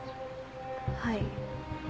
はい。